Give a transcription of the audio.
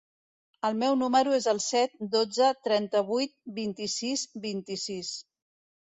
El meu número es el set, dotze, trenta-vuit, vint-i-sis, vint-i-sis.